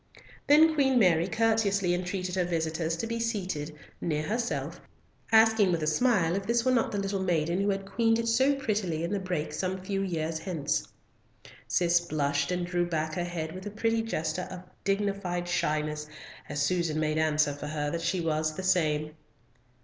Then Queen Mary courteously entreated her visitors to be seated, near herself, asking with a smile if this were not the little maiden who had queened it so prettily in the brake some few years since. Cis blushed and drew back her head with a pretty gesture of dignified shyness as Susan made answer for her that she was the same.